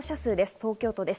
東京都です。